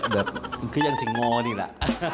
แบบคือยังสิงงหนิละ